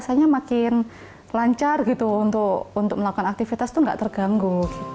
rasanya makin lancar gitu untuk melakukan aktivitas itu nggak terganggu